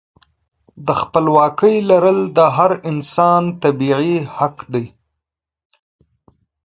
د خپلواکۍ لرل د هر انسان طبیعي حق دی.